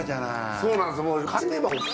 そうなんです。